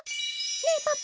ねえパパ！